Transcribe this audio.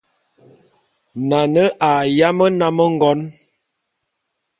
Nane a yám nnám ngon.